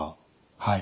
はい。